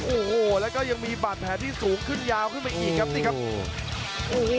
โอ้โหแล้วก็ยังมีบาดแผลที่สูงขึ้นยาวขึ้นไปอีกครับนี่ครับโอ้โห